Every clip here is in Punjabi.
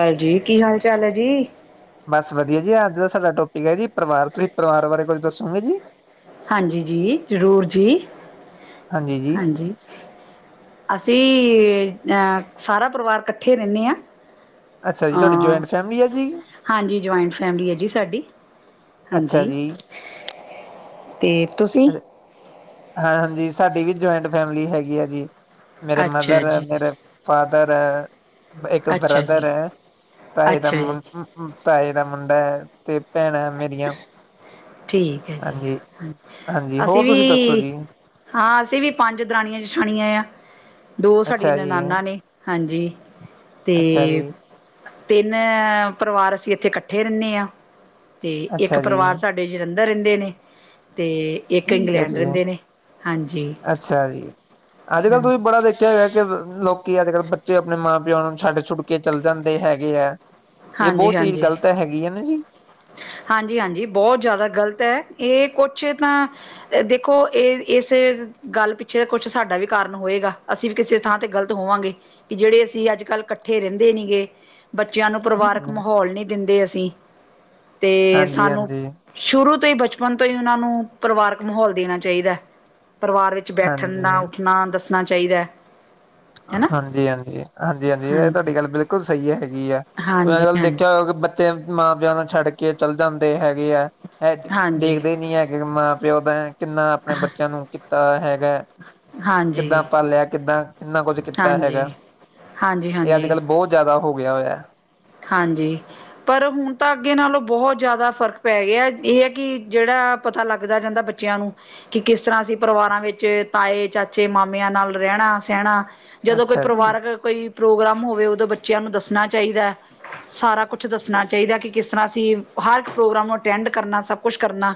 ਹਾਂਜੀ ਕੀ ਹਾਲ ਚਾਲ ਹੈ ਜੀ ਬਸ ਵਧੀਆ ਜੀ ਅੱਜ ਦਾ ਸਾਡਾ ਟੋਪਿਕ ਹੈ ਜੀ ਪਰਿਵਾਰ ਤੁਸੀਂ ਪਰਿਵਾਰ ਬਾਰੇ ਕੁੱਝ ਦੱਸੋਗੇ ਜੀ ਹਾਂਜੀ ਜੀ ਜ਼ਰੂਰ ਜੀ ਹਾਂਜੀ ਅਸੀਂ ਸਾਰਾ ਪਰਿਵਾਰ ਇਕੱਠੇ ਰਹਿੰਦੇ ਹਾਂ ਅੱਛਾ ਜੀ ਤੁਹਾਡੀ ਜਆਏਟ ਅ ਫੈਮਲੀ ਹੈ ਜੀ ਹਾਂਜੀ ਜੁਆਇੰਟ ਫੈਮਿਲੀ ਹੈ ਜੀ ਸਾਡੀ ਅੱਛਾ ਹਾਂਜੀ ਜੀ ਤੇ ਤੁਸੀਂ ਅੱਛਾ ਹਾਂ ਹਾਂਜੀ ਸਾਡੀ ਵੀ ਜੁਆਇੰਟ ਫੈਮਲੀ ਹੈਗੀ ਆ ਜੀ ਮੇਰੇ ਅੱਛਾ ਮਦਰ ਜੀ ਮੇਰੇ ਫਾਦਰ ਹੈ ਇੱਕ ਅੱਛਾ ਜੀ ਬ੍ਰਦਰ ਹੈ ਤਾਂ ਇਹਦਾ ਅੱਛਾ ਜੀ ਤਾਏ ਦਾ ਮੁੰਡਾ ਹੈ ਤੇ ਭੈਣਾਂ ਮੇਰੀਆਂ ਠੀਕ ਹੈ ਜੀ ਹਾਂਜੀ ਹਾਂ ਹਾਂਜੀ ਅਸੀਂ ਹੋਰ ਵੀ ਤੁਸੀਂ ਦੱਸੋ ਜੀ ਹਾਂ ਅਸੀਂ ਵੀ ਪੰਜ ਦਰਾਣੀਆਂ ਜਠਾਣੀਆਂ ਆ ਦੋ ਸਾਡੀਆਂ ਅੱਛਾ ਜੀ ਨਨਾਨਾ ਨੇ ਹਾਂਜੀ ਤੇ ਅੱਛਾ ਜੀ ਤਿੰਨ ਪਰਿਵਾਰ ਅਸੀਂ ਇੱਥੇ ਇਕੱਠੇ ਰਹਿੰਦੇ ਹਾਂ ਤੇ ਇੱਕ ਅੱਛਾ ਜੀ ਪਰਿਵਾਰ ਸਾਡੇ ਜਲੰਧਰ ਰਹਿੰਦੇ ਨੇ ਅਤੇ ਠੀਕ ਹੈ ਜੀ ਅੱਛਾ ਜੀ ਅੱਜ ਕੱਲ ਤੁਸੀਂ ਹਾਂਜੀ ਬੜਾ ਦੇਖ ਆ ਹੈਗਾ ਕਿ ਲੋਕੀ ਅੱਜ ਕੱਲ੍ਹ ਬੱਚੇ ਆਪਣੇ ਮਾਂ ਪਿਓ ਨੂੰ ਛੱਡ ਛੁੱਡ ਕੇ ਚੱਲ ਜਾਂਦੇ ਹੈਗੇ ਹੈ ਇਹ ਹਾਂਜੀ ਬੋਤ ਚੀਜ਼ ਹਾਂਜੀ ਗ਼ਲਤ ਹੈਗੀ ਹੈ ਨਾ ਜੀ ਹਾਂਜੀ ਹਾਂਜੀ ਬੋਤ ਜ਼ਿਆਦਾ ਗ਼ਲਤ ਹੈ ਇਹ ਕੁਛ ਤਾਂ ਦੇਖੋ ਇਹ ਇਸ ਗੱਲ ਪਿੱਛੇ ਦਾ ਕੁਛ ਸਾਡਾ ਵੀ ਕਾਰਨ ਹੋਏਗਾ ਅਸੀਂ ਵੀ ਕਿਸੇ ਥਾਂ ਤੇ ਗ਼ਲਤ ਹੋਵਾਂਗੇ ਕਿ ਜਿਹੜੇ ਅਸੀਂ ਅੱਜ ਕੱਲ੍ਹ ਇਕੱਠੇ ਰਹਿੰਦੇ ਨੀ ਗ ਬੱਚਿਆਂ ਨੂੰ ਪਰਿਵਾਰਕ ਮਾਹੌਲ ਨਹੀਂ ਦਿੰਦੇ ਅਸੀਂ ਤੇ ਹਾਂਜੀ ਸਾਨੂੰ ਹਾਂਜੀ ਸ਼ੁਰੂ ਤੋਂ ਹੀ ਬਚਪਨ ਤੋਂ ਹੀ ਉਹਨਾਂ ਨੂੰ ਪਰਿਵਾਰਕ ਮਾਹੌਲ ਦੇਣਾ ਚਾਹੀਦਾ ਹੈ ਪਰਿਵਾਰ ਵਿੱਚ ' ਹਾਂਜੀ ਬੈਠਣਾ ਉੱਠਣਾ ਦੱਸਣਾ ਚਾਹੀਦਾ ਹੈਨਾ ਹਾਂਜੀ ਹਾਂਜੀ ਹਾਂਜੀ ਹਾਂਜੀ ਇਹ ਤੁਹਾਡੀ ਗੱਲ ਬਿਲਕੁਲ ਸਹੀ ਹੈਗੀ ਆ ਕੋਈ ਹਾਂਜੀ ਅੱਜ ਕੱਲ ਹਾਂਜੀ ਦੇਖਿਆ ਹੋ ਕਿ ਮਾਂ ਪਿਓ ਨੂੰ ਛੱਡ ਕੇ ਚੱਲ ਜਾਂਦੇ ਹੈਗੇ ਆ ਇਹ ਹਾਂਜੀ ਦੇਖਦੇ ਨੀ ਹੈਗੇ ਮਾਂ ਪਿਓਦ ਕਿੰਨਾ ਆਪਣੇ ਹ ਬੱਚਿਆਂ ਨੂੰ ਕੀਤਾ ਹੈਗਾ ਹਾਂਜੀ ਕਿੱਦਾਂ ਪਾਲਿਆ ਕਿੱਦਾਂ ਕਿੰਨਾ ਕੁੱਝ ਕੀਤਾ ਹਾਂਜੀ ਹੈਗਾ ਹਾਂਜੀ ਇਹ ਅੱਜ ਹਾਂਜੀ ਕੱਲ੍ਹ ਬੋਤ ਜ਼ਿਆਦਾ ਹੋ ਗਿਆ ਹੋਇਆ ਹਾਂਜੀ ਪਰ ਹੁਣ ਤਾਂ ਅੱਗੇ ਨਾਲੋਂ ਬਹੁਤ ਜ਼ਿਆਦਾ ਫ਼ਰਕ ਪੈ ਗਿਆ ਇਹ ਹੈ ਕਿ ਜਿਹੜਾ ਪਤਾ ਲੱਗਦਾ ਜਾਂਦਾ ਬ ਬੱਚਿਆਂ ਨੂੰ ਕਿ ਕਿਸ ਤਰ੍ਹਾਂ ਅਸੀਂ ਪਰਿਵਾਰਾਂ ਵਿੱਚ ਤਾਏ ਚਾਚੇ ਮਾਮਿਆਂ ਨਾਲ ਰਹਿਣਾ ਸਹਿਣਾ ਜਦੋਂ ਕੋਈ ਅੱਛਾ ਜੀ ਪਰਿਵਾਰਕ ਕੋਈ ਪ੍ਰੋਗਰਾਮ ਹੋਵੇ ਉਦੋਂ ਬੱਚਿਆਂ ਨੂੰ ਦੱਸਣਾ ਚਾਹੀਦਾ ਸਾਰਾ ਕੁਛ ਦੱਸਣਾ ਚਾਹੀਦਾ ਕਿ ਕਿਸ ਤਰ੍ਹਾਂ ਅਸੀਂ ਹਰ ਇੱਕ ਪ੍ਰੋਗਰਾਮ ਨੂੰ ਅਟੈਂਡ ਕਰਨਾ ਸਭ ਕੁਛ ਕਰਨਾ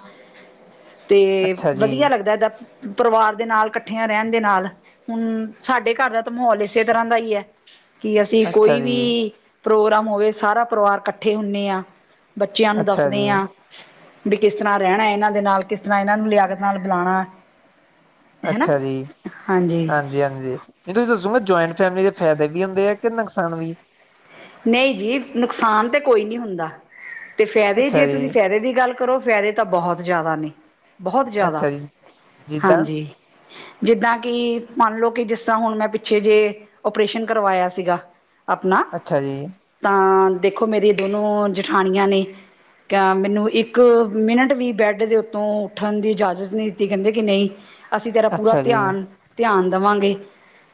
ਤੇ, ਅੱਛਾ ਜੀ ਵਧੀਆ ਲੱਗਦਾ ਏਦਾਂ ਪਰਿਵਾਰ ਦੇ ਨਾਲ, ਇਕੱਠਿਆਂ ਰਹਿਣ ਦੇ ਨਾਲ, ਹੁਣ ਸਾਡੇ ਘਰ ਦਾ ਤਾਂ ਮਾਹੌਲ ਇਸੇ ਤਰ੍ਹਾਂ ਦਾ ਈ ਐ। ਕਿ ਅਸੀਂ ਅੱਛਾ ਕੋਈ ਵੀ ਜੀ ਪ੍ਰੋਗਰਾਮ ਹੋਵੇ, ਸਾਰਾ ਪਰਿਵਾਰ ਇਕੱਠੇ ਹੁੰਨੇ ਆ। ਬੱਚਿਆਂ ਨੂੰ ਅੱਛਾ ਜੀ, ਦੱਸਦੇ ਆ, ਬਈ ਕਿਸ ਤਰ੍ਹਾਂ ਰਹਿਣਾ ਇਹਨਾਂ ਦੇ ਨਾਲ। ਕਿਸ ਤਰ੍ਹਾਂ ਇਹਨਾਂ ਨੂੰ ਲਿਆਕਤ ਨਾਲ ਬਲਾਣਾ। ਅੱਛਾ ਜੀ, ਹਾਂਜੀ ਹਾਂਜੀ। ਜਿੱਦਾਂ ਤੁਸੀਂ ਦੱਸੋਗੇ, ਜੁਆਇੰਟ ਫੈਮਿਲੀ ਦੇ ਫਾਇਦੇ ਵੀ ਹੁੰਦੇ ਆ ਕਿ ਨੁਕਸਾਨ ਵੀ? ਨਹੀਂ ਜੀ, ਨੁਕਸਾਨ ਤੇ ਕੋਈ ਨੀ ਹੁੰਦਾ, ਤੇ ਫਾਇਦੇ ਅੱਛਾ ਜੇ ਤੁਸੀਂ ਜੀ, ਫਾਇਦੇ ਦੀ ਗੱਲ ਕਰੋ ਫਾਇਦੇ ਤਾਂ ਬਹੁਤ ਜ਼ਿਆਦਾ ਨੇ, ਬਹੁਤ ਜ਼ਿਆਦਾ ਅੱਛਾ ਜੀ, ਜਿੱਦਾਂ ਹਾਂਜੀ। ਜਿੱਦਾਂ ਕਿ ਮੰਨ ਲਓ ਕਿ ਜਿਸ ਤਰ੍ਹਾਂ ਹੁਣ ਮੈਂ ਪਿੱਛੇ ਜੇ ਔਪਰੇਸ਼ਨ ਕਰਵਾਇਆ ਸੀਗਾ- ਆਪਣਾ। ਅੱਛਾ ਜੀ। ਤਾਂ, ਦੇਖੋ ਮੇਰੀ ਦੋਨੋ ਜਠਾਣੀਆਂ ਨੇ ਕਿਆ, ਮੈਨੂੰ ਇੱਕ ਮਿੰਟ ਵੀ ਬੈੱਡ ਦੇ ਉੱਤੋਂ ਉੱਠਣ ਦੀ ਇਜਾਜ਼ਤ ਨਹੀਂ ਦਿੱਤੀ, ਕਹਿੰਦੇ ਕਿ ਨਹੀਂ ਅਸੀਂ ਤੇਰਾ ਪੂਰਾ ਅੱਛਾ ਜੀ। ਧਿਆਨ ਧਿਆਨ ਦਵਾਂਗੇ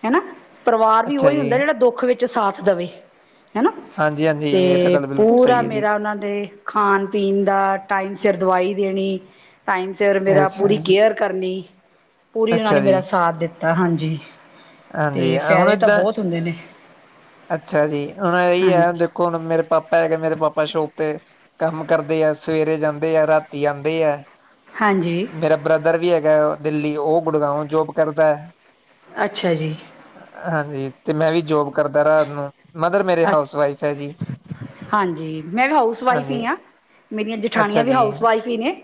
ਹੈਨਾ। ਪਰਿਵਾਰ ਵੀ ਅੱਛਾ ਉਹੀ ਜੀ, ਹੁੰਦਾ ਜਿਹੜਾ ਦੁੱਖ ਵਿੱਚ ਸਾਥ ਦਵੇ। ਹੈਨਾ, ਹਾਂਜੀ-ਹਾਂਜੀ ਇਹ ਤਾਂ ਤੇ ਗੱਲ ਬਿਲਕੁਲ ਪੂਰਾ ਸਹੀ ਹੈ ਜੀ, ਮੇਰਾ ਉਹਨਾਂ ਦੇ ਖਾਣ ਪੀਣ ਦਾ, ਟਾਈਮ ਸਿਰ ਦਵਾਈ ਦੇਣੀ, ਟਾਈਮ ਸਿਰ ਮੇਰਾ ਅੱਛਾ ਪੂਰੀ ਜੀ। ਕੇਅਰ ਕਰਨੀ। ਪੂਰੀ ਉਹਨਾਂ ਅੱਛਾ ਨੇ ਜੀ, ਮੇਰਾ ਸਾਥ ਦਿੱਤਾ, ਹਾਂਜੀ ਤੇ ਹਾਂਜੀ ਹੁਣ ਫੈਦੇ ਤਾਂ ਏਦਾਂ ਬਹੁਤ ਹੁੰਦੇ ਨੇ। ਅੱਛਾ ਜੀ, ਹੁਣ ਇਹੀ ਏ ਹਾਂਜੀ ਹੁਣ ਦੇਖੋ ਹੁਣ ਮੇਰੇ ਪਾਪਾ ਹੈਗੇ, ਮੇਰੇ ਪਾਪਾ ਸ਼ੋਪ ਤੇ ਕੰਮ ਕਰਦੇ ਆ, ਸਵੇਰੇ ਜਾਂਦੇ ਆ, ਰਾਤੀ ਆਂਦੇ ਐ। ਹਾਂਜੀ ਮੇਰਾ ਬ੍ਰਦਰ ਵੀ ਹੈਗਾ ਦਿੱਲੀ, ਉਹ ਗੁੜਗਾਉ ਜੋਬ ਕਰਦਾ। ਅੱਛਾ ਜੀ। ਹਾਂਜੀ, ਤੇ ਮੈਂ ਵੀ ਜੋਬ ਕਰਦਾ ਰਾਤ ਨੂੰ, ਮਦਰ ਮੇਰੇ ਅੱ ਹਾਊਸ ਵਾਈਫ ਐ ਜੀ। ਹਾਂਜੀ, ਮੈਂ ਵੀ ਹਾਊਸ ਵਾਈਫ਼ ਹਾਂਜੀ ਹੀ ਆ, ਮੇਰੀਆਂ ਅੱਛਾ ਜਠਾਣੀਆਂ ਵੀ ਜੀ ਹਾਊਸ ਵਾਈਫ਼ ਹੀ ਨੇ।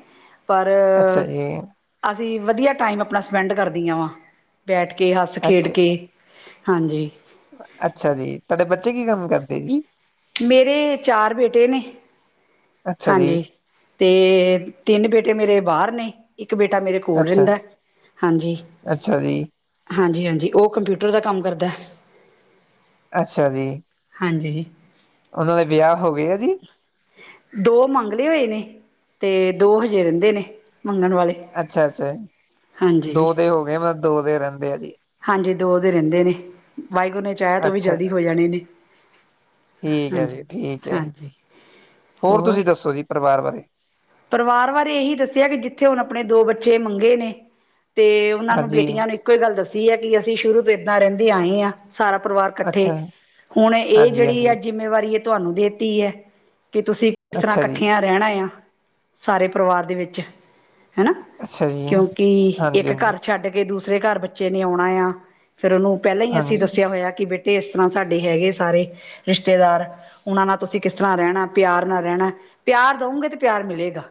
ਪਰ, ਅੱਛਾ ਜੀ ਅਸੀਂ ਵਧੀਆ ਟਾਈਮ ਆਪਣਾ ਸਪੈਂਡ ਕਰਦੀਆਂ ਵਾ। ਬੈਠ ਕੇ, ਹੱਸ ਖੇਡ ਅੱਛਾ ਕੇ, ਹਾਂਜੀ। ਅੱਛਾ ਜੀ, ਤੁਹਾਡੇ ਬੱਚੇ ਕੀ ਕੰਮ ਕਰਦੇ ਜੀ? ਮੇਰੇ ਚਾਰ ਬੇਟੇ ਨੇ। ਅੱਛਾ ਜੀ ਹਾਂਜੀ, ਤੇ ਤਿੰਨ ਬੇਟੇ ਮੇਰੇ ਬਾਹਰ ਨੇ, ਇੱਕ ਬੇਟਾ ਮੇਰੇ ਕੋਲ ਅੱਛਾ ਰਹਿੰਦਾ, ਹਾਂਜੀ, ਅੱਛਾ ਜੀ ਹਾਂਜੀ ਹਾਂਜੀ ਉਹ ਕੰਪਿਊਟਰ ਦਾ ਕੰਮ ਕਰਦਾ। ਅੱਛਾ ਜੀ, ਹਾਂਜੀ ਉਹਨਾਂ ਦੇ ਵਿਆਹ ਹੋ ਗਏ ਆ ਜੀ? ਦੋ ਮੰਗ ਲਏ ਹੋਏ ਨੇ, ਤੇ ਦੋ ਹਜੇ ਰਹਿੰਦੇ ਨੇ ਮੰਗਣ ਵਾਲੇ। ਅੱਛਾ ਅੱਛਾ। ਹਾਂਜੀ, ਦੋ ਦੇ ਹੋ ਗਏ ਮਤਲਬ ਦੋ ਦੇ ਰਹਿੰਦੇ ਆ ਜੀ ਹਾਂਜੀ ਦੋ ਦੇ ਰਹਿੰਦੇ ਨੇ। ਵਾਹਿਗੁਰੂ ਨੇ ਚਾਹਿਆ ਤਾਂ ਓ ਵੀ ਅੱਛਾ ਜਲਦੀ ਹੋ ਜਾਣੇ ਨੇ, ਠੀਕ ਹੈ ਹਾਂਜੀ ਜੀ ਠੀਕ ਹੈ ਹਾਂਜੀ। ਹੋਰ, ਤੁਸੀਂ ਦੱਸੋ ਜੀ ਪਰਿਵਾਰ ਬਾਰੇ? ਪਰਿਵਾਰ ਬਾਰੇ ਇਹੀ ਦੱਸਿਆ ਕਿ ਜਿੱਥੇ ਹੁਣ ਆਪਣੇ ਦੋ ਬੱਚੇ ਮੰਗੇ ਨੇ ਤੇ ਉਹਨਾਂ ਨੂੰ ਹਾਂਜੀ ਬੇਟੀਆਂ ਨੂੰ ਇੱਕੋ ਹੀ ਗੱਲ ਦੱਸੀ ਐ ਕਿ ਅਸੀਂ ਸ਼ੁਰੂ ਤੋਂ ਏਦਾ ਰਹਿੰਦੇ ਆਏ ਆ, ਸਾਰਾ ਪਰਿਵਾਰ- ਇਕੱਠੇ, ਅੱਛਾ ਹੁਣ ਇਹ ਹਾਂਜੀ ਜਿਹੜੀ ਆ ਹਾਂਜੀ ਜਿੰਮੇਵਾਰੀ ਇਹ ਤੁਹਾਨੂੰ ਦੇ ਤੀ ਐ। ਕਿ ਤੁਸੀਂ ਕਿਸ ਤਰ੍ਹਾਂ ਅੱਛਾ ਜੀ ਇਕੱਠੀਆਂ ਰਹਿਣਾ ਆ, ਸਾਰੇ ਪਰਿਵਾਰ ਦੇ ਵਿੱਚ। ਹੈਨਾ, ਅੱਛਾ ਜੀ ਹਾਂਜੀ ਕਿਉਂਕਿ ਇੱਕ ਹਾਂਜੀ ਘਰ ਛੱਡ ਕੇ ਦੂਸ ਰੇ ਘਰ ਬੱਚੇ ਨੇ ਆਉਣਾ ਆ, ਫ਼ਿਰ ਉਹਨੂੰ ਪਹਿਲਾਂ ਹੀ ਅਸੀਂ ਹਾਂਜੀ ਦੱਸਿਆ ਹੋਇਆ ਕਿ ਬੇ ਤੇ, ਇਸ ਤਰ੍ਹਾਂ ਸਾਡੇ ਹੈਗੇ ਸਾਰੇ ਰਿਸ਼ਤੇਦਾਰ ਉਹਨਾਂ ਨਾਲ ਤੁਸੀਂ ਕਿਸ ਤਰ੍ਹਾਂ ਰਹਿਣਾ। ਪਿਆਰ ਨਾਲ ਰਹਿਣਾ, ਪਿਆਰ ਦਊਂਗੇ ਤੇ ਪਿਆਰ ਮਿਲੇਗਾ।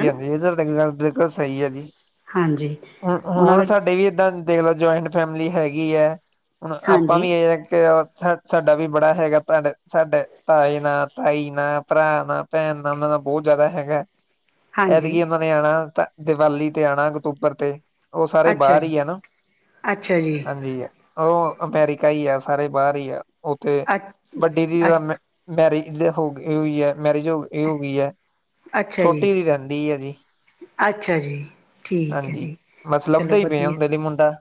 ਹਨਾ ਇਧਰ ਗੱਲ ਬਿਲਕੁਲ ਸਹੀ ਹੈ ਜੀ ਹਾਂਜੀ ਹੁ ਉਹਨਾਂ ਹੁਣ ਨੂੰ ਸਾਡੇ ਏਦਾ ਂ ਦੇਖ ਲਓ, ਜੁਆਇੰਟ ਫੈਮਿਲੀ ਹੈਗੀ ਹੈ। ਹੁਣ ਆਪਾਂ ਹਾਂਜੀ ਵੀ ਇਹ ਸਾ ਸਾਡਾ ਵੀ ਬੜਾ ਹੈਗਾ ਤੁਹਾਡੇ ਸਾਡੇ ਤਾਏ ਨਾਲ, ਤਾਈ ਨਾਲ, ਭਰਾ ਨਾਲ। ਭੈਣ ਦਾ ਉਹਨਾ ਨਾਲਾ ਬਹੁਤ ਜ਼ਿਆਦਾ ਹੈਗਾ। ਹਾਂਜੀ ਏਤਕੀ ਉਹਨਾਂ ਨੇ ਆਣਾ ਦੀਵਾਲੀ ਤੇ ਆਣਾ ਅਕਤੂਬਰ ਤੇ। ੳਹ ਸਾਰੇ੍ ਅੱਛਾ ਬਾਹਰ ਉਹ ਜੀ ਅੱਛਾ ਜੀ ਅਮੈਰੀਕਾ ਹੀ ਆ। ਸਾਰੇ ਬਾਹਰ ਹੀ ਆ। ਉੱਥੇ ਅ ਵੱਡੀ ਦੀਦੀ ਮ- ਮੈਰਿਜ ਹੋ ਗਈ ਹੋਈ ਹੈ, ਮੈਰਿਜ ਹੋ ਇਹ ਹੋ ਗਈ ਹੈ। ਅੱਛਾ ਜੀ, ਛੋਟੀ ਦੀ ਰਹਿੰਦੀ ਹੈ ਜੀ ਅੱਛਾ ਜੀ। ਠੀਕ ਹੈ ਜੀ, ਚਲੋ ਵਧੀਆ। ਮੁਡਾ-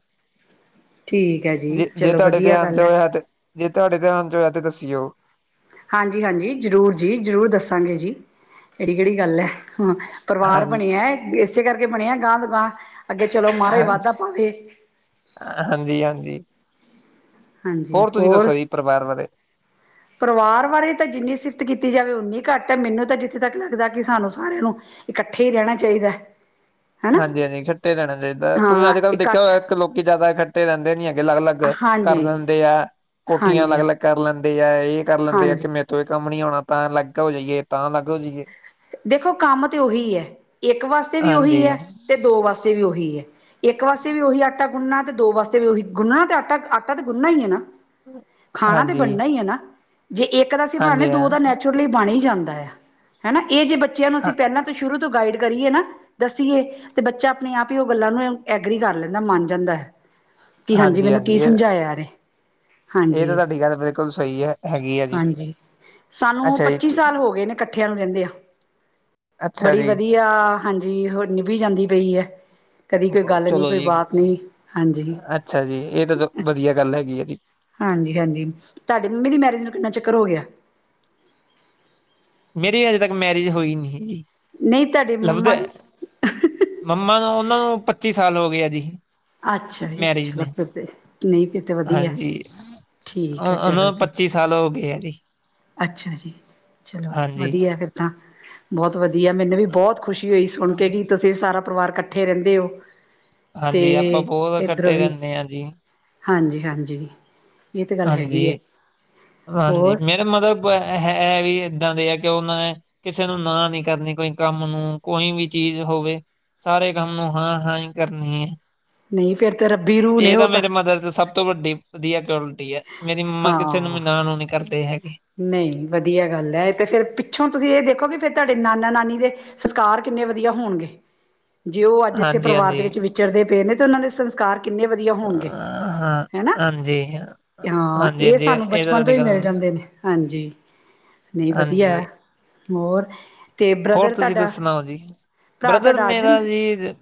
ਠੀਕ ਹੈ ਜੀ ਜੇ ਜੇ ਚਲੋ ਤੁਹਾਡੇ ਵਧੀਆ ਧਿਆਨ ਚ ਗੱਲ ਹੈ ਹੋਇਆ, ਤੇ ਜੇ ਤੁਹਾਡੇ ਧਿਆਨ ਚ ਹੋਇਆ ਤੇ ਦੱਸੀਓ। ਹਾਂਜੀ-ਹਾਂਜੀ ਜ਼ਰੂਰ ਜੀ, ਜ਼ਰੂਰ ਦੱਸਾਂਗੇ ਜੀ ਇਹਦੀ ਕਿਹੜੀ ਗੱਲ ਏ। ਹਾਂ ਪਰਿਵਾਰ ਬਣਿਆ ਇਸੇ ਕਰਕੇ ਬਣਿਆ ਗਾਂਹ ਦ ਗਾਂਹ। ਅੱਗੇ ਚਲੋ ਮਹਾਰਾਜ ਹਾਂਜੀ ਵਾਧਾ ਪਾਵੇ। ਹਾਂਜੀ ਹਾਂਜੀ ਹੋਰ, ਤੁਸੀਂ ਦੱਸੋ ਜੀ ਪਰਿਵਾਰ ਬਾਰੇ? ਪਰਿਵਾਰ ਬਾਰੇ ਤਾਂ ਜਿੰਨੀ ਸਿਫਤ ਕੀਤੀ ਜਾਵੇ ਉਨੀ ਘੱਟ ਹੈ। ਮੈਨੂੰ ਤਾਂ ਜਿੱਥੇ ਤੱਕ ਲੱਗਦਾ ਕਿ ਸਾਨੂੰ ਸਾਰਿਆਂ ਨੂੰ ਇਕੱਠੇ ਹੀ ਰਹਿਣਾ ਚਾਹੀਦਾ। ਹਨਾ ਹਾਂਜੀ-ਹਾਂਜੀ ਕੱਠੇ ਰਹਿਣਾ ਚਾਹੀਦਾ। ਕੋਈ ਹਾਂ ਅੱਜ ਕੱਲ੍ਹ ਦੇਖਿਆ ਇਕੱਠ ਹੋਇ, ਇੱਕ ਲੋਕ ਜਿਆਦਾ ਕੱਠੇ ਰਹਿੰਦੇ ਨੀ ਹੈਗੇ, ਅਲੱਗ-ਅਲੱਗ- ਕਰ ਹਾਂਜੀ ਲੈਂਦੇ ਆ। ਕੋਠੀਆਂ ਅਲੱਗ ਹਾਂਜੀ ਅਲੱਗ ਕਰ ਲੈਂਦੇ ਆ। ਇਹ ਕਰ ਲੈਂਦੇ ਆ ਹਾਂਜੀ ਕਿ ਮੇ- ਕੋਈ ਕੰਮ ਨੀ ਹੋਉਣਾ ਤਾਂ ਅਲੱਗ ਹੋ ਜਾਈਏ, ਤਾਂ ਅਲੱਗ ਹੋ ਜਾਈਏ। ਦੇਖੋ, ਕੰਮ ਤੇ ਉਹੀ ਹੈ। ਇੱਕ ਵਾਸਤੇ ਵੀ ਉਹੀ ਹਾਂਜੀ ਹੈ, ਤੇ ਦੋ ਵਾਸਤੇ ਵੀ ਉਹੀ ਹੈ। ਇੱਕ ਵਾਸਤੇ ਵੀ ਉਹੀ ਆਟਾ ਗੁੰਨਣਾ ਤੇ, ਦੋ ਵਾਸਤੇ ਵੀ ਉਹੀ ਗੁੰਨਣਾ ਤੇ ਆਟਾ। ਆਟਾ ਤੇ ਗੁੰਨਣਾ ਹੀ ਹੈ ਨਾ? ਖਾਣਾ ਤਾਂ ਹਾਂਜੀ ਬਣਨਾ ਹੀ ਹੈ ਨਾ? ਜੇ ਇੱਕ ਦਾ ਅਸੀਂ ਬਣਾਉਣੇ ਹਾਂਜੀ ਤਾਂ ਦੋ ਹਾਂ ਦਾ ਨੈਚੁਰਲੀ ਬਣ ਹੀ ਜਾਂਦਾ ਹੈ। ਹੈਨਾ, ਇਹ ਜੇ ਬੱਚਿਆਂ ਨੂੰ ਅਸੀਂ ਹਾਂ ਪਹਿਲਾਂ ਤੋਂ ਸ਼ੁਰੂ ਤੋਂ ਗਾਈਡ ਕਰੀਏ ਨਾ- ਦੱਸੀਏ, ਤੇ ਬੱਚਾ ਆਪਣੇ ਆਪ ਹੀ ਉਹ ਗੱਲਾਂ ਨੂੰ ਐਗਰੀ ਕਰ ਲੈਂਦਾ ਮੰਨ ਜਾਂਦਾ ਏ। ਕਿ ਹਾਂਜੀ। ਮੈਨੂੰ ਕੀ ਸਮਝਾਇਆ ਆਰੇ। ਇਹ ਤਾਂ ਤੁਹਾਡੀ ਗੱਲ ਬਿਲਕੁਲ ਸਹੀ ਹੈ, ਹੈਗੀ ਆ ਜੀ। ਹਾਂਜੀ ਸਾਨੂੰ ਅੱਛਾ ਪੱਚੀ ਜੀ ਸਾਲ ਹੋ ਗਏ ਨੇ ਇਕੱਠਿਆਂ ਨੂੰ- ਰਹਿੰਦੀਆਂ। ਅੱਛਾ ਬੜੀ ਜੀ ਵਧੀਆ ਹਾਂਜੀ ਹੋਰ ਨੀਭੀ ਜਾਂਦੀ ਪਈ ਏ। ਕਦੀ ਕੋਈ ਗੱਲ ਨਹੀਂ, ਚਲੋ ਕੋਈ ਜੀ ਬਾਤ ਨਹੀਂ, ਹਾਂਜੀ। ਅੱਛਾ ਜੀ, ਇਹ ਤਾਂ ਵਧੀਆ ਗੱਲ ਹੈਗੀ ਏ। ਹਾਂਜੀ-ਹਾਂਜੀ। ਤੁਹਾਡੇ ਮੰਮੀ ਦੀ ਮੈਰਿਜ ਨੂੰ ਕਿੰਨਾ ਚਿਕਰ ਹੋ ਗਿਆ? ਮੇਰੀ ਅਜੇ ਤੱਕ ਮੈਰਿਜ ਹੋਈ ਨੀ ਜੀ। ਨਹੀਂ, ਤੁਹਾਡੀੇ ਮੰਮਾ ਲੱਭਦੇ ਦੀ। ਮੰਮਾ ਨੂੰ, ਉਹਨਾਂ ਨੂੰ ਪੱਚੀ ਸਾਲ ਹੋ ਗਏ ਜੀ। ਅੱਛਾ ਜੀ। ਮੈਰਿਜ ਚਲੋ, ਨੇ ਫਿਰ ਤੇ ਨਹੀਂ ਫਿਰ ਤੇ ਵਧੀਆ। ਠੀਕ ਹੈ ਉਹਨ ਚਲੋ ਜੀ ਪੱਚੀ ਸਾਲ ਹੋ ਗਏ ਏ ਜੀ। ਅੱਛਾ ਜੀ। ਚਲੋ, ਹਾਂਜੀ। ਵਧੀਆ ਫਿਰ ਤਾਂ। ਬਹੁਤ ਵਧੀਆ, ਮੈਨੂੰ ਵੀ ਬਹੁਤ ਖੁਸ਼ੀ ਹੋਈ ਸੁਣ ਕੇ ਕਿ ਤੁਸੀਂ ਸਾਰਾ ਪਰਿਵਾਰ ਇਕੱਠੇ ਰਹਿੰਦੇ ਹੋ। ਤੇ ਹਾਂਜੀ, ਆਪਾਂ ਬਹੁਤ ਇਕੱਠੇ ਰਹਿੰਦੇ ਹਾਂ ਜੀ। ਹਾਂਜੀ-ਹਾਂਜੀ, ਇਹ ਤਾਂ ਗੱਲ ਹੈਗੀ ਹੈ ਹਾਂਜੀ। ਹਾਂਜੀ ਹੋਰ? ਮੇਰੇ ਮਤਲਬ ਹੈ ਵੀ ਇਹਦਾ ਦੇ ਆ ਕਿ ਉਹਨਾਂ ਨੇ- ਕਿਸੇ ਨੂੰ ਨਾ ਨੀ ਕਰਨੀ ਕੋਈ ਕੰਮ ਨੂੰ, ਕੋਈ ਵੀ ਚੀਜ਼ ਹੋਵੇ। ਸਾਰੇ ਕੰਮ ਨੂੰ ਹਾਂ-ਹਾਂ ਹੀ ਕਰਨੀ ਹੈ। ਨਹੀਂ ਫੇਰ ਤੇ ਰੱਬੀ ਰੂਹ ਨੇ ਇਹ ਤਾਂ ਉਹ ਮੇਰੇ ਮਦਰ'ਚ ਸਭ ਸਭ ਤੋਂ ਵੱਡੀ ਵਧੀਆ ਕੁਆਲਿਟੀ ਹੈ। ਮੇਰੀ ਮੰਮਾ ਕਿਸੇ ਨੂੰ ਹਾਂ ਮਨਾ ਨੂੰ ਨੀ ਕਰਦੇ ਹੈਗੇ। ਨਹੀਂ, ਵਧੀਆ ਗੱਲ ਹੈ ਐ ਤੇ ਫਿਰ ਪਿੱਛੋਂ ਤੁਸੀਂ ਇਹ ਦੇਖੋ ਕਿ ਫਿਰ ਤੁਹਾਡੇ ਨਾਨਾ ਨਾਨੀ ਦੇ ਸੰਸਕਾਰ ਕਿੰਨੇ ਵਧੀਆ ਹੋਣਗੇ। ਜੇ ਉਹ ਅੱਜ ਇੱਥੇ ਹਾਂਜੀ ਪਰਿਵਾਰ ਦੇ ਹਾਂਜੀ ਵਿੱਚ ਵਿਚਰਦੇ ਪਏ ਨੇ ਤੇ ਉਹਨਾਂ ਦੇ ਸੰਸਕਾਰ ਕਿੰਨੇ ਵਧੀਆ ਹੋਣਗੇ ਹਾਂ ਹਨਾ? ਹਾਂਜੀ ਹਾਂ ਨਾ ਹਾਂਜੀ ਇਹ ਹਾਂਜੀ ਸਾਨੂੰ ਤਾਂ ਬਚਪਨ ਤੋਂ ਤੁਹਾਡੀ ਹੀ ਮਿਲ ਗੱਲ ਜਾਂਦੇ ਨੇ। ਹਾਂਜੀ, ਨਹੀਂ ਵਧੀਆ ਹਾਂਜੀ ਹੋਰ? ਤੇ ਹੋਰ ਬ੍ਰਦਰ ਤੁਸੀਂ ਤੁਹਾਡਾ ਦੱਸਣਾ ਓ ਜੀ? ਭਰਾ ਬ੍ਰਦਰ ਤੁਹਾਡਾ ਆ ਮੇਰਾ ਜਾਂਦਾ ਜੀ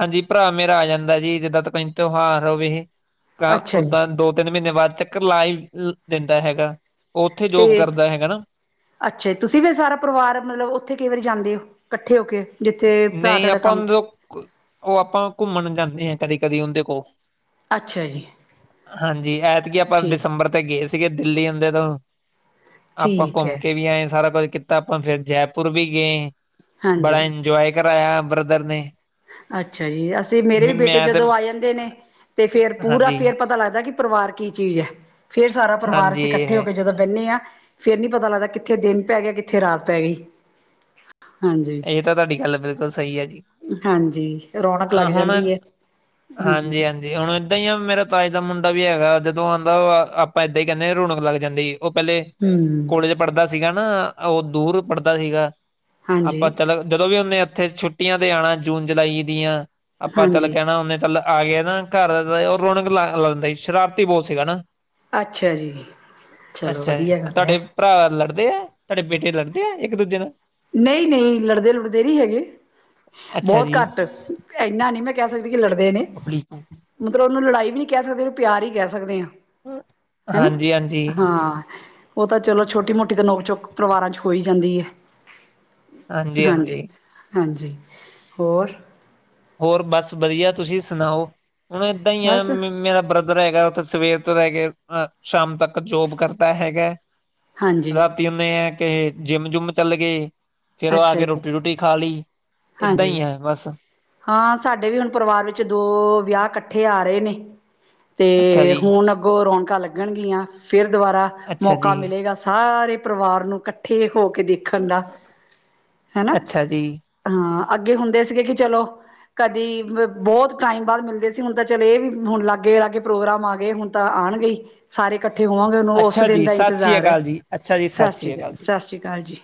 ਹਾਂਜੀ, ਭਰਾ ਮੇਰਾ ਆ ਜਾਂਦਾ ਜੀ ਜਿੱਦਾਂ ਪਿੰਤ ਤੂਓਹਾਰ ਹੋਵੇ। ਅੱਛਾ ਜੀ ਓਦਾਂ ਦੋ-ਤਿੰਨ ਮਹੀਨੇ ਬਾਅਦ ਚੱਕਰ ਲਾ ਦਿੰਦਾ ਹੈਗਾ। ਉੱਥੇ ਜੋਬ ਤੇ ਕਰਦਾ ਹੈਗਾ ਨਾ। ਅੱਛਾ ਜੀ, ਤੁਸੀਂ ਫੇਰ ਸਾਰਾ ਪਰਿਵਾਰ ਮਤਲਬ ਉੱਥੇ ਕਈ ਵਾਰੀ ਜਾਂਦੇ ਹੋ ਇਕੱਠੇ ਹੋ ਕੇ? ਜਿੱਥੇ ਭਰਾ ਨਹੀਂ, ਤੁਹਾਡਾ ਆਪਾਂ ਕੰਮ ਉਹ ਉਹ ਆਪਾਂ ਘੁੰਮਣ ਜਾਂਦੇ ਹਾਂ ਕਦੀ-ਕਦੀ ਉਹਦੇ ਕੋਲ। ਅੱਛਾ ਜੀ। ਹਾਂਜੀ, ਐਦਕੀ ਆਪਾਂ ਠੀਕ ਦਿਸੰਬਰ ਤੇ ਗਏ ਸੀਗੇ, ਦਿੱਲੀ ਆਉਦੇ ਤੋਂ। ਆਪਾਂ ਠੀਕ ਘੁੰਮ ਹੈ ਕੇ ਵੀ ਆਏ ਸਾਰਾ ਕੁਝ ਕੀਤਾ। ਆਪਾਂ ਫਿਰ ਜੈਪੁਰ ਵੀ ਗਏ ਬੜਾ ਹਾਂਜੀ ਇ- ਜੋਯ ਕਰਵਾਾਇਆ ਬ੍ਰਦਰ ਨੇ। ਅੱਛਾ ਜੀ, ਅਸੀਂ ਮੇਰੇ ਵੀ ਬੇਟੇ ਮੈਂ ਤੇ ਜਦੋਂ ਆ ਜਾਂਦੇ ਨੇ ਤੇ ਫੇਰ ਪੂਰਾ ਹਾਂਜੀ ਫੇਰ ਪਤਾ ਲੱਗਦਾ ਕਿ ਪਰਿਵਾਰ ਕੀ ਚੀਜ਼ ਹੈ। ਫ਼ਿਰ ਸਾਰਾ ਪਰਿਵਾਰ ਹਾਂਜੀ ਅਸੀਂ ਇਕੱਠੇ ਹੋ ਇਹ ਕੇ ਜਦੋਂ ਬਹਿੰਦੇ ਹਾਂ- ਫੇਰ ਨੀ ਪਤਾ ਲੱਗਦਾ ਕਿੱਥੇ ਦਿਨ ਪੈ ਗਿਆ, ਕਿੱਥੇ ਰਾਤ ਪੈ ਗਈ, ਹਾਂਜੀ। ਇਹ ਤਾਂ ਤੁਹਾਡੀ ਗੱਲ ਬਿਲਕੁਲ ਸਹੀ ਹੈ ਜੀ। ਹਾਂਜੀ, ਰੌਣਕ ਲੱਗ ਜਾਂਦੀ ਹੈ, ਹਾਂਜੀ। ਜੇ ਹੁਣ ਏਦਾਂ ਹੀ ਆ ਮੇਰਾ ਤਾਏ ਦਾ ਮੁੰਡਾ ਵੀ ਹੈਗਾ ਜਦੋਂ ਆਉਂਦਾ ਆਪਾਂ ਇਹਦਾ ਹੀ ਕਹਿੰਦੇ ਹਾਂ ਰੌਣਕ ਲੱਗ ਜਾਂਦੀ। ਉਹ ਪਹਿਲੇ ਹੂ। ਕੋਲੇਜ ਪੜ੍ਹਦਾ ਸੀਗਾ ਨਾ, ਉਹ ਦੂਰ ਪੜ੍ਹਦਾ ਸੀਗਾ। ਆਪਾਂ ਹਾਂਜੀ ਚਲੋ, ਜਦੋਂ ਵੀ ਉਹਨੇ ਇੱਥੇ ਛੁੱਟੀਆਂ ਤੇ ਅਣਾ ਜੂਨ-ਜੁਲਾਈ ਦੀਆਂ- ਆਪਾਂ ਚੱਲ ਹਾਂਜੀ ਕਹਿਣਾ ਓਨੇ ਚੱਲ ਆ ਗਏ ਨਾ ਘਰ ਰੌਣਕ ਲ ਲੈਂਦੇ ਸ਼ਰਾਰਤੀ ਬਹੁਤ ਸੀਗਾ ਨਾ। ਅੱਛਾ ਜੀ, ਚਲੋ ਅੱਛਾ ਜੀ ਵਧੀਆ ਗੱਲ ਤੁਹਾਡੇ ਐ। ਭਰਾ ਲੜਦੇ ਆ, ਤੁਹਾਡੇ ਬੇਟੇ ਲੜਦੇ ਆਏ ਇੱਕ ਦੂਜੇ ਨਾਲ? ਨਹੀਂ-ਨਹੀਂ ਲੜਦੇ-ਲੁੜਦੇ ਨਹੀਂ ਹੈਗੇ। ਅੱਛਾ ਬਹੁਤ ਜੀ ਘੱਟ, ਇਨਾ ਨਹੀਂ ਮੈਂ ਕਹਿ ਸਕਦੀ ਕਿ ਲੜਦੇ ਨੇ। ਹਾਂਜੀ ਮਤਲਬ ਉਹਨੂੰ ਲੜਾਈ ਵੀ ਨੀ ਕਹਿ ਸਕਦੇ, ਉਹਨੂੰ ਪਿਆਰ ਹੀ ਕਹਿ ਸਕਦੇ ਹਾਂ। ਹੈਨਾ ਹਾਂਜੀ ਹਾਂ। ਉ ਤਾਂ ਚਲੋ ਛੋਟੀ- ਮੋਟੀ ਤਾਂ ਨੋਕ-ਚੋਕ ਪਰਿਵਾਰਾਂ 'ਚ ਹੋ ਹੀ ਜਾਂਦੀ ਹੈ। ਹਾਂਜੀ ਹਾਂਜੀ ਹਾਂਜੀ-ਹਾਂਜੀ। ਹੋਰ? ਹੋਰ ਬਸ ਵਧੀਆ ਤੁਸੀਂ ਸੁਣਾਓ। ਹੁਣ ਏਦਾਂ ਹੀ ਆ ਬਸ ਮੇਰਾ ਬ੍ਰਿ ਬ੍ਰਦਰ ਹੈਗਾ, ਉੱਥੇ ਸਵੇਰ ਤੋਂ ਰਹਿ ਕੇ ਅ ਸ਼ਾਮ ਤੱਕ ਜੋਬ ਕਰਦਾ ਹੈਗਾ। ਹਾਂਜੀ ਰਾਤ ਤੇ ਆ ਕੇ ਜਿੰਮ-ਜੁਮ ਚੱਲ ਗਏ। ਫੇਰ, ਉ ਅੱਛਾ ਆਕੇ ਜੀ ਰੋਟੀ-ਰੂਟੀ ਖਾ ਲਈ, ਏਦਾਂ ਹਾਂਜੀ ਹੀ ਹੈ ਬਸ। ਹਾਂ, ਸਾਡੇ ਵੀ ਹੁਣ ਪਰਿਵਾਰ ਵਿੱਚ ਦੋ ਵਿਆਹ ਇਕੱਠੇ ਆ ਰਹੇ ਨੇ। ਅੱਛਾ ਤੇ ਜੀ ਹੁਣ ਅੱਗੋਂ ਰੌਣਕਾਂ ਲੱਗਣਗੀਆਂ ਫਿਰ ਦੁਬਾਰਾ। ਅੱਛਾ ਜੀ ਮੌਕਾ ਮਿਲੇਗਾ ਸਾਰੇ ਪਰਿਵਾਰ ਨੂੰ ਇਕੱਠੇ ਹੋ ਕੇ ਦੇਖਣ ਦਾ। ਹੈਨਾ? ਅੱਛਾ ਜੀ ਹਾਂ ਅੱਗੇ ਹੁੰਦੇ ਸੀਗੇ ਕਿ ਚਲੋ ਕਦੀ ਬਹੁਤ ਟਾਈਮ ਬਾਅਦ ਮਿਲਦੇ ਸੀ, ਹੁਣ ਤਾਂ ਚਲੋ ਇਹ ਵੀ ਹੁਣ ਲਾਗੇਆ ਚਲੋ ਪ੍ਰੋਗਰਾਮ ਆ ਗਏ ਹੁਣ। ਤਾਂ ਆਉਣ ਗਈ ਸਾਰੇ। ਇਕੱਠੇ ਹੋਵਾਂਗੇ, ਉਹਨੂੰ ਉਸ ਅੱਛਾ ਦਿਨ ਜੀ ਦਾ ਸਤਿ ਸ੍ਰੀ ਇੰਤਜ਼ਾਰ ਹੈ। ਅਕਾਲ ਜੀ ਅੱਛਾ ਜੀ ਸਤਿ ਸ੍ਰੀ ਅਕਾਲ ਜੀ ਸਤਿ, ਸ੍ਰੀ ਅਕਾਲ ਜੀ।